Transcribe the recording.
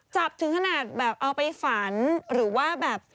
ถึงขนาดแบบเอาไปฝันหรือว่าแบบ